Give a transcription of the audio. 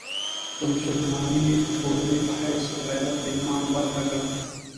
د مسلمانې ټولنې په حیث غیرت د ایمان برخه ګڼو.